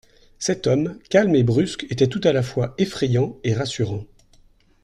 Cet homme, calme et brusque, était tout à la fois effrayant et rassurant.